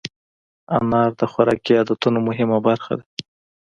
انار د خوراکي عادتونو مهمه برخه ده.